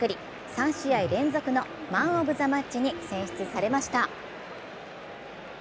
３試合連続のマンオブザマッチに選出されました。